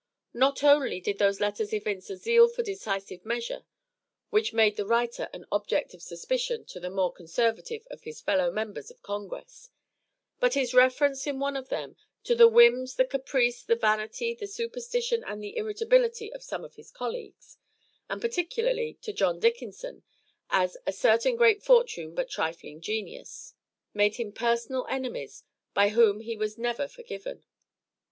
Not only did those letters evince a zeal for decisive measure which made the writer an object of suspicion to the more conservative of his fellow members of Congress, but his reference in one of them to 'the whims, the caprice, the vanity, the superstition, and the irritability of some of his colleagues,' and particularly to John Dickinson as 'a certain great fortune but trifling genius,' made him personal enemies by whom he was never forgiven.